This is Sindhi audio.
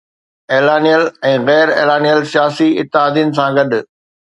اعلانيل ۽ غير اعلانيل سياسي اتحادين سان گڏ